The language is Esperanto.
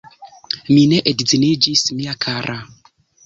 Mi ne edziniĝis, mia kara!